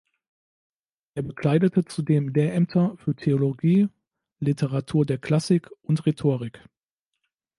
Er bekleidete zudem Lehrämter für Theologie, Literatur der Klassik und Rhetorik.